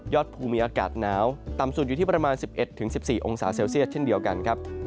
ภูมิมีอากาศหนาวต่ำสุดอยู่ที่ประมาณ๑๑๑๔องศาเซลเซียสเช่นเดียวกันครับ